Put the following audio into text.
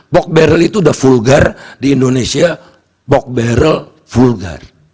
pork barrel itu udah vulgar di indonesia pork barrel vulgar